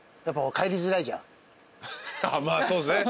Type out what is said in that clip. まあそうですね。